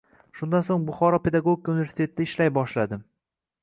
Shundan so’ng Buxoro pedagogika uneversitetida ishlay boshladim.